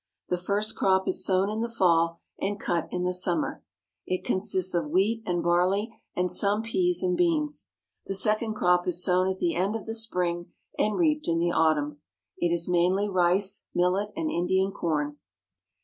The first crop is sown in the fall, and cut in the summer. It consists of wheat, and barley, and some peas and beans. The second crop is sown at the end of the spring and reaped in the autumn. It is mainly rice, millet, and Indian corn.